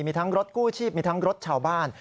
มีทั้งรถกู้ชีพมีทั้งรถชาวบ้าน